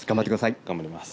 頑張ります。